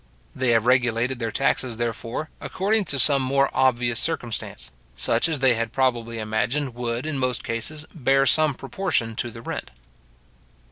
They have regulated their taxes, therefore, according to some more obvious circumstance, such as they had probably imagined would, in most cases, bear some proportion to the rent.